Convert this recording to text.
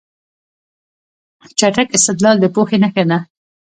چټک استدلال د پوهې نښه ده.